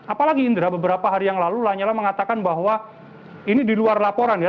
apalagi indra beberapa hari yang lalu lanyala mengatakan bahwa ini di luar laporan ya